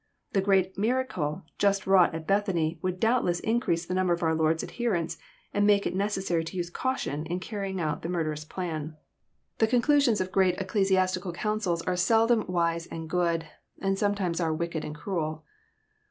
The great miracle Just wrought at Bethany would doubtless Increase the nqmber of our Lord's adherents, and make It necessary to use caution In carrying out the murderous plan. JOHN, CHAP. XI. 303 > The coDclasions of great ecclesiastical councils are seldom wise and good, and sometimes are wicked and cruel.